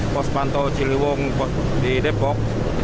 pos pantau ciliwung di depok